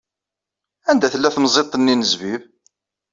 Anda tella temẓiḍt-nni n zzbib?